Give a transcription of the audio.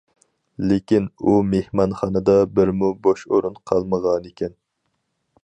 لېكىن، ئۇ مېھمانخانىدا بىرمۇ بوش ئورۇن قالمىغانىكەن.